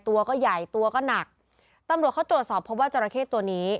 ตัวก็ใหญ่ตัวก็หนักตำรวจเขาตรวจสอบเพราะว่าจราเข้ตัวนี้